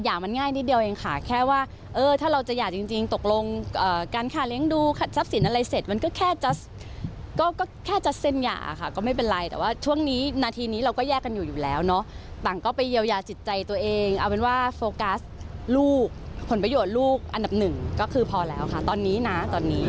อันดับหนึ่งก็คือพอแล้วค่ะตอนนี้นะตอนนี้